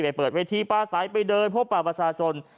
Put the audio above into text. ไปเปิดเวทีปาสายไปเดินพบประประชาชน